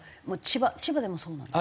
千葉でもそうなんですか？